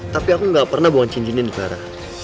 tapi aku gak pernah buang cincin ini clara